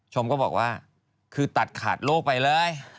ชมก็บอกว่าคือตัดขาดโลกไปเลย